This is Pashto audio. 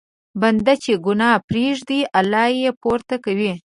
بنده چې ګناه پرېږدي، الله یې پورته کوي.